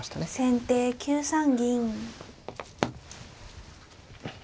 先手９三銀。